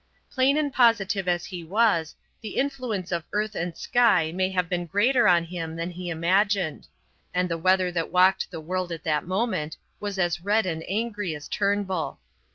Plain and positive as he was, the influence of earth and sky may have been greater on him than he imagined; and the weather that walked the world at that moment was as red and angry as Turnbull.